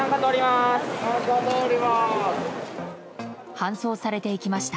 搬送されていきました。